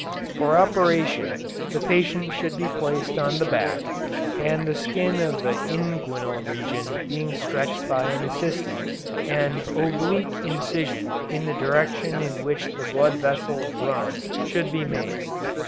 For operation the patient should be placed on the back, and, the skin of the inguinal region being stretched by an assistant, an oblique incision in the direction in which the blood vessels run should be made.